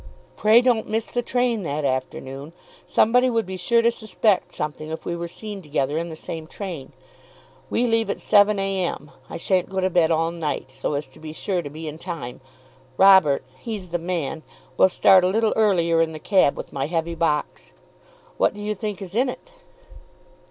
"Pray don't miss the train that afternoon. Somebody would be sure to suspect something if we were seen together in the same train. We leave at 7 A.M. I shan't go to bed all night, so as to be sure to be in time. Robert, he's the man, will start a little earlier in the cab with my heavy box. What do you think is in it?"